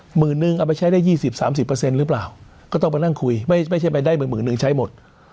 หมื่นหนึ่งเอาไปใช้ได้ยี่สิบสามสิบเปอร์เซ็นต์หรือเปล่าก็ต้องไปนั่งคุยไม่ใช่ไปได้หมื่นหมื่นหนึ่งใช้หมด